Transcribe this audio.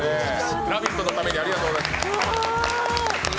「ラヴィット！」のためにありがとうございます。